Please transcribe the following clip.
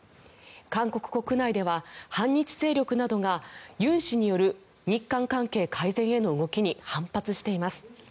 韓国国内では反日勢力などが尹氏による日韓関係改善への動きに反発しています。